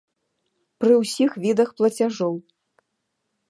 Пры ўсіх відах плацяжоў.